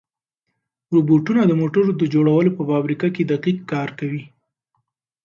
روبوټونه د موټرو د جوړولو په فابریکو کې دقیق کار کوي.